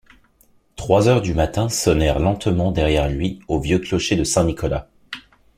Trois heures du matin sonnèrent lentement derrière lui au vieux clocher de Saint-Nicolas.